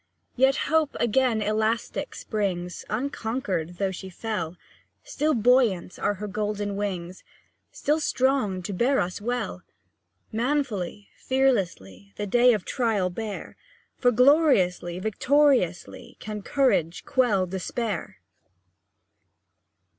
Yet Hope again elastic springs, Unconquered, though she fell; Still buoyant are her golden wings, Still strong to bear us well. Manfully, fearlessly, The day of trial bear, For gloriously, victoriously, Can courage quell despair!